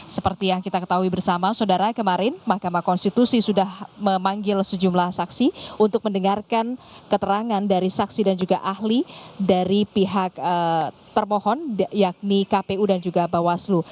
seperti yang kita ketahui bersama saudara kemarin mahkamah konstitusi sudah memanggil sejumlah saksi untuk mendengarkan keterangan dari saksi dan juga ahli dari pihak termohon yakni kpu dan juga bawaslu